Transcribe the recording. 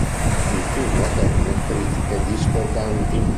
Il film ottenne critiche discordanti.